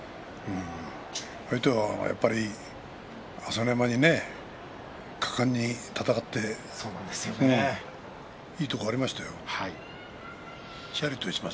相手は、やっぱり朝乃山に果敢に戦っていいところがありましたよ。